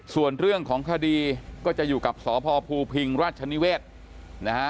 ส่วนเรื่องของคดีก็จะอยู่กับสพภูพิงราชนิเวศนะฮะ